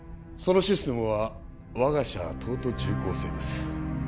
そのシステムは我が社東都重工製です